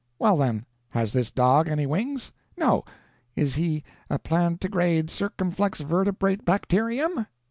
Well, then, has this dog any wings? No. Is he a plantigrade circumflex vertebrate bacterium?